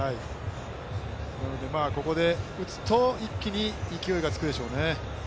なのでここで打つと一気に勢いがつくでしょうね。